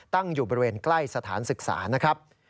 ตั้งอยู่บริเวณใกล้สถานศึกษานะครับ